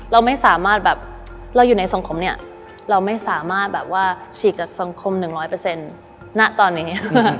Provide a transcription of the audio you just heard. เราไม่สามารถแบบเราอยู่ในสังคมเนี่ยเราไม่สามารถแบบว่าฉีกจากสังคม๑๐๐ณตอนนี้